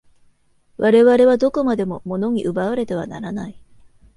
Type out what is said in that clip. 我々はどこまでも物に奪われてはならない。